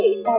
lần đầu tiên